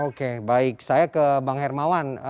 oke baik saya ke bang hermawan